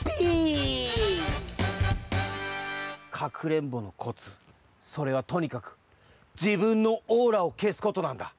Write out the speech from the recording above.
かくれんぼのコツそれはとにかくじぶんのオーラをけすことなんだ。